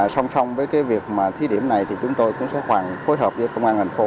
song song với việc thi điểm này chúng tôi cũng sẽ phối hợp với công an hành phố